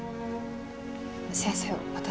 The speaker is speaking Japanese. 先生私。